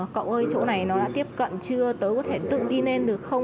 cậu ơi chỗ này nó đã tiếp cận chưa tới có thể tự đi lên được không